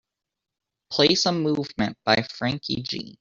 play some movement by Franky Gee